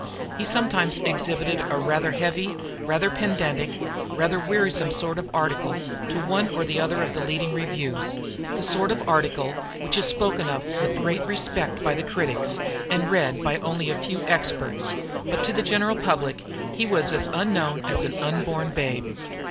He sometimes exhibited a rather heavy, rather pedantic, rather wearisome sort of article to one or other of the leading reviews the sort of article which is spoken of with great respect by the critics, and read by only a few experts but to the general public he was as unknown as an unborn babe.